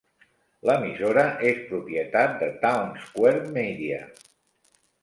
L'emissora és propietat de Townsquare Media.